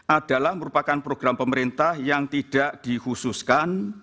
adalah merupakan program pemerintah yang tidak dihususkan